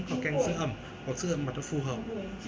hoặc kem giữ ẩm hoặc giữ ẩm mặt nó phù hợp